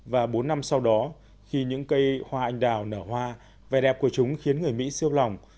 và bốn năm sau đó khi những cây hoa anh đào nở hoa vẻ đẹp của chúng khiến người mỹ siêu lòng